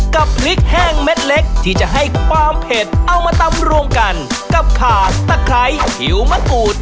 กับพริกแห้งเม็ดเล็กที่จะให้ความเผ็ดเอามาตำรวมกันกับขาดตะไคร้ผิวมะกรูด